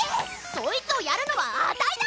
そいつをやるのはあたいだ！